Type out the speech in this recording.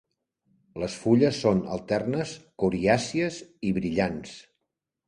Les fulles són alternes, coriàcies i brillants.